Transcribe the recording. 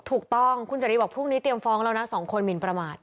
ถูกต้องคุณเสรีบอกพรุ่งนี้เตรียมฟ้องแล้วนะ๒คนหมินประมาท